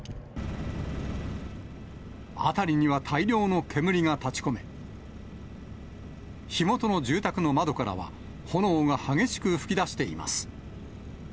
辺りには大量の煙が立ち込め、火元の住宅の窓からは、炎が激しく噴き出しています。